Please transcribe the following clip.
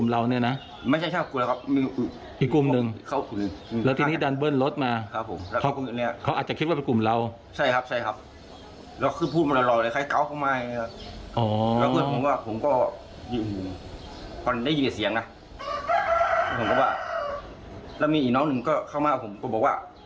แล้วก็ผมก็พอได้ยืดเสียงนะผมก็ว่าแล้วมีอีกน้องหนึ่งก็เข้ามากับผมก็บอกว่า